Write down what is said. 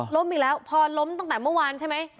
ล้มอีกแล้วพอล้มตั้งแต่เมื่อวานใช่ไหม